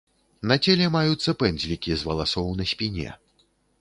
На целе маюцца пэндзлікі з валасоў на спіне.